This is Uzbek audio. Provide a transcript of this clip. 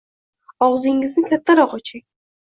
Og'zingizni kattaroq oching.